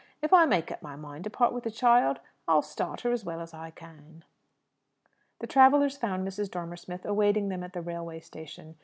If I make up my mind to part with the child, I'll start her as well as I can." The travellers found Mrs. Dormer Smith awaiting them at the railway station.